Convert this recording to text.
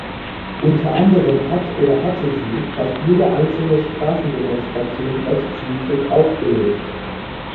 Unter anderem hat oder hatte sie fast jede einzelne Straßendemonstration rechtswidrig aufgelöst.